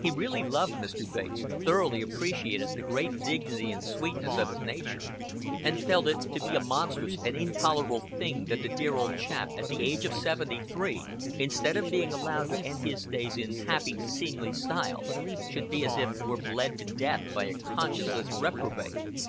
He really loved Mr. Bates, thoroughly appreciated the great dignity and sweetness of his nature, and felt it to be a monstrous and intolerable thing that the dear old chap at the age of seventy three, instead of being allowed to end his days in a happy, seemly style, should be as if were bled to death by a conscienceless reprobate.